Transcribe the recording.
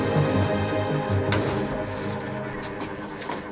kampung muka dan kampung rawa